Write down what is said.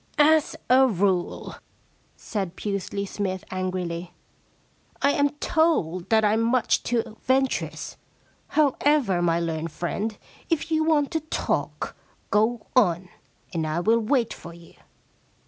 * As a rule,' said Pusely Smythe angrily, * I'm told that I am much too venturous. However, my learned friend, if you want to talk, go on and I will wait for you.